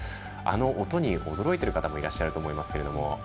音に驚いてる方もいらっしゃると思います。